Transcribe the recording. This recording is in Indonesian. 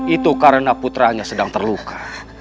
itu karena putranya sedang terluka